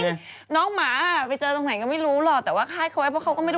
แต่ว่าคาดเขาไว้เพราะเขาก็ไม่รู้เรื่องจริง